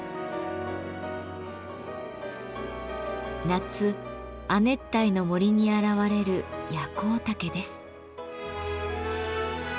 夏亜熱帯の森に現れるヤコウタケです。